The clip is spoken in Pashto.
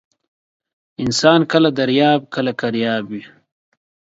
انسان کله درياب ، کله کرياب وى.